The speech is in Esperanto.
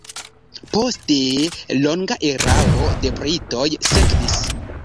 Poste longa erao de britoj sekvis.